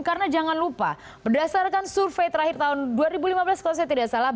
karena jangan lupa berdasarkan survei terakhir tahun dua ribu lima belas kalau saya tidak salah